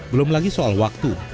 belum lagi soal waktu